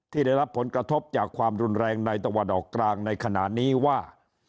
ที่ได้รับผลกระทบจากความรุนแรงในตะวันออกกลางในขณะนี้ว่า